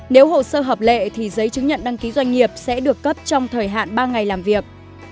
nếu hồ sơ hợp lệ thì giấy chứng nhận đăng ký doanh nghiệp sẽ được cấp trong thời hạn ba ngày làm việc